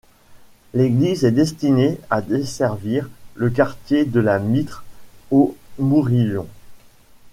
L'église est destinée à desservir le quartier de la Mitre, au Mourillon.